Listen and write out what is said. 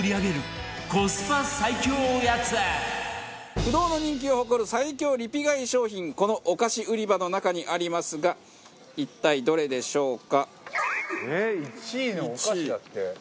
不動の人気を誇る最強リピ買い商品このお菓子売り場の中にありますが一体どれでしょうか？